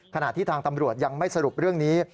ขณะที่ทางตำรวจยังไม่สรุปเรื่องนี้